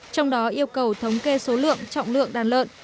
trong đó yêu cầu thống kê số lượng trọng lượng đàn lợn